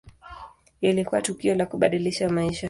Ilikuwa tukio la kubadilisha maisha.